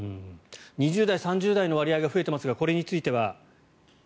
２０代、３０代の割合が増えていますがこれについては。